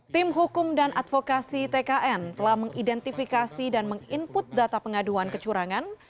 tim hukum dan advokasi tkn telah mengidentifikasi dan meng input data pengaduan kecurangan